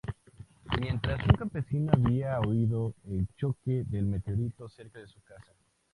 Mientras, un campesino había oído el choque del meteorito cerca de su casa.